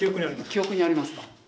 記憶にありますか？